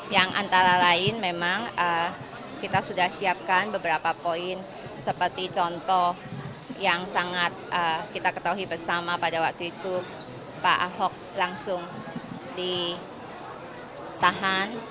yang antara lain memang kita sudah siapkan beberapa poin seperti contoh yang sangat kita ketahui bersama pada waktu itu pak ahok langsung ditahan